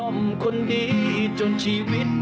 แบบนี้